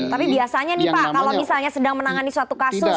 tapi biasanya nih pak kalau misalnya sedang menangani suatu kasus